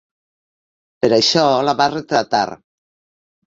Per això la va retratar.